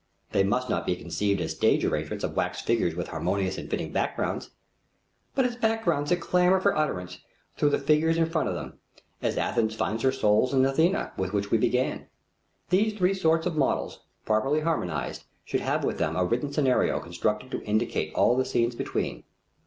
They must not be conceived as stage arrangements of wax figures with harmonious and fitting backgrounds, but as backgrounds that clamor for utterance through the figures in front of them, as Athens finds her soul in the Athena with which we began. These three sorts of models, properly harmonized, should have with them a written scenario constructed to indicate all the scenes between.